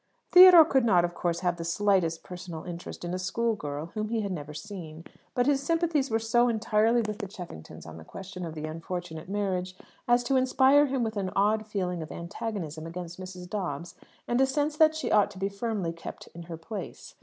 Theodore could not, of course, have the slightest personal interest in a schoolgirl whom he had never seen; but his sympathies were so entirely with the Cheffingtons on the question of the unfortunate marriage as to inspire him with an odd feeling of antagonism against Mrs. Dobbs, and a sense that she ought to be firmly kept in her place.